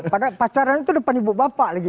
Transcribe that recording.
padahal pacaran itu depan ibu bapak lagi